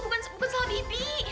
bukan bukan salah bibik